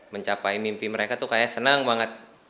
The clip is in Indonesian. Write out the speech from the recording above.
mencapai mimpi mereka tuh kayak senang banget